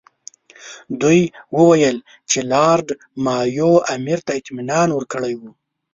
دوی وویل چې لارډ مایو امیر ته اطمینان ورکړی وو.